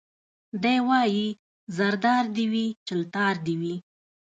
دی وايي زردار دي وي چلتار دي وي